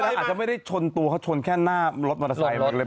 แล้วอาจจะไม่ได้ชนตัวเขาชนแค่หน้ารถมอเตอร์ไซค์